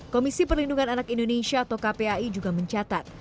komisi perlindungan anak indonesia atau kpai juga mencatat